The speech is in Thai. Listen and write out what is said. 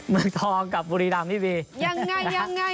เมืองทองกับบุรีรำพี่บี